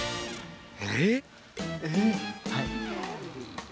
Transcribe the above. えっ！？